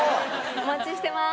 お待ちしてまーす。